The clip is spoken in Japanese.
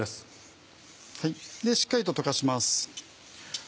しっかりと溶かします。